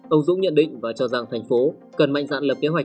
ông dũng nhận định và cho rằng thành phố cần mạnh dạn lập kế hoạch